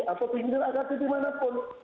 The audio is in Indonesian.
atau pimpinan agasi dimanapun